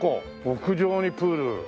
屋上にプール。